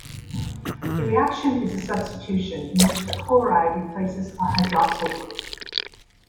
The reaction is a substitution in which the chloride replaces a hydroxyl group.